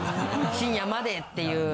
深夜までっていう。